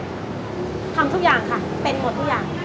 ทำทุกอย่างค่ะเป็ดหมดทุกอย่าง